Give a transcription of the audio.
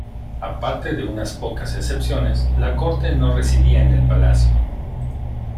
Aparte de unas pocas excepciones, la corte no residía en el palacio.